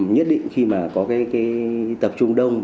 nhất định khi mà có cái tập trung đông